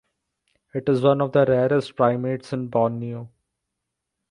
It is one of the rarest primates in Borneo.